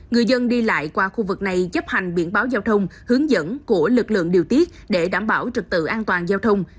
người dân đi lại qua khu vực này chấp hành biển báo giao thông hướng dẫn của lực lượng điều tiết để đảm bảo trực tự an toàn giao thông